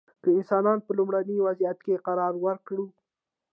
که انسانان په لومړني وضعیت کې قرار ورکړو.